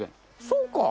そうか。